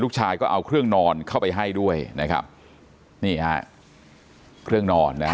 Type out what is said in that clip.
ลูกชายก็เอาเครื่องนอนเข้าไปให้ด้วยนะครับนี่ฮะเครื่องนอนนะฮะ